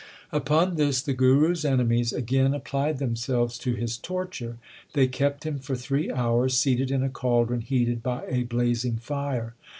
Upon this the Guru s enemies again applied them selves to his torture. They kept him for three hours seated in a caldron heated by a blazing fire.